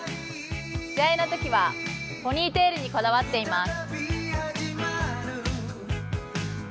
試合のときはポニーテールにこだわっています。